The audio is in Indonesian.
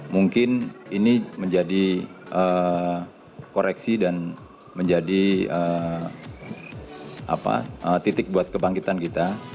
mungkin ini menjadi koreksi dan menjadi titik buat kebangkitan kita